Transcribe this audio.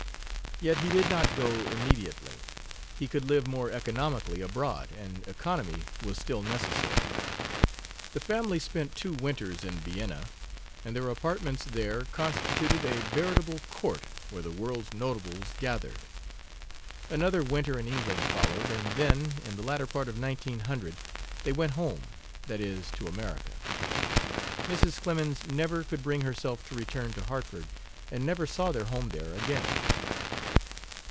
Yet he did not go immediately. He could live more economically abroad, and economy was still necessary. The family spent two winters in Vienna, and their apartments there constituted a veritable court where the world's notables gathered. Another winter in England followed, and then, in the latter part of 1900, they went home that is, to America. Mrs. Clemens never could bring herself to return to Hartford, and never saw their home there again.